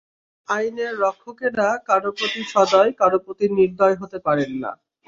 আইনের রক্ষকেরা কারও প্রতি সদয়, কারও প্রতি নির্দয় হতে পারেন না।